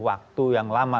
waktu yang lama